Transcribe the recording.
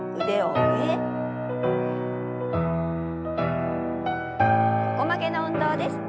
横曲げの運動です。